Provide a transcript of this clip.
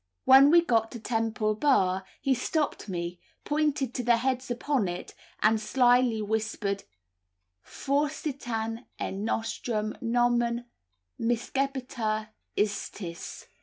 When we got to Temple Bar he stopped me, pointed to the heads upon it, and slily whispered 'Forsitan et nostrum nomen miscebitur istis.